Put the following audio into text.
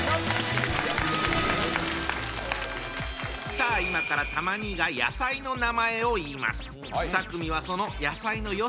さあ今からたま兄が野菜の名前を言います。